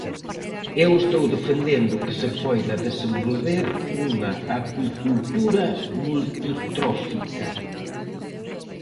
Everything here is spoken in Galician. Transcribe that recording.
Eu estou defendendo que se poida desenvolver unha acuicultura multitrófica.